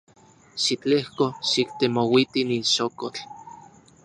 Xitlejko xiktemouiti nin xokotl.